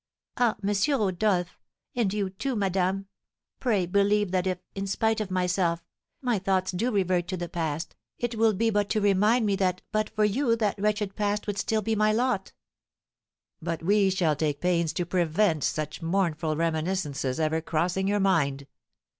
"Ah, M. Rodolph, and you, too, madame, pray believe that if, spite of myself, my thoughts do revert to the past, it will be but to remind me that but for you that wretched past would still be my lot." "But we shall take pains to prevent such mournful reminiscences ever crossing your mind.